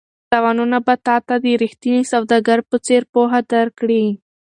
تاوانونه به تا ته د ریښتیني سوداګر په څېر پوهه درکړي.